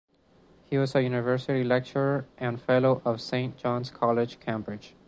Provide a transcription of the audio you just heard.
He was a University Lecturer and Fellow of Saint John's College, Cambridge.